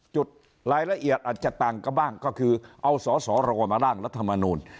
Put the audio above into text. จุดรายละเอียดอาจจะต่างกันบ้างก็คือเอาสสรมาร่างรัฐมนูล